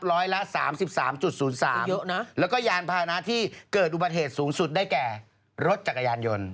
ร้อยละ๓๓๐๓เยอะนะแล้วก็ยานพานะที่เกิดอุบัติเหตุสูงสุดได้แก่รถจักรยานยนต์